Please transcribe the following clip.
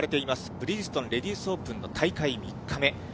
ブリヂストンレディスオープンの大会３日目。